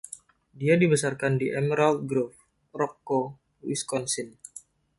Dia dibesarkan di Emerald Grove, Rock Co, Wisconsin.